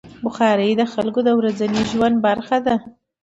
بخاري د خلکو د ورځني ژوند برخه ده.